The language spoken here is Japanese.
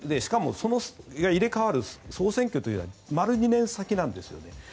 それが入れ替わる総選挙というのは丸２年先なんですよね。